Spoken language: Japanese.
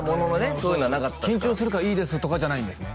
そういうのはなかったですから緊張するからいいですとかじゃないんですね？